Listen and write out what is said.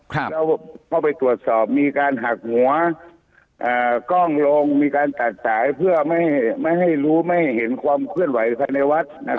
แล้วเข้าไปตรวจสอบมีการหักหัวกล้องลงมีการตัดสายเพื่อไม่ให้รู้ไม่เห็นความเคลื่อนไหวภายในวัด